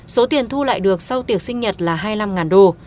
số tiền thu lại được sau tiệc sinh nhật là hai mươi năm đô